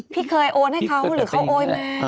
พี่เคยโอนให้เขาหรือเขาโอนมา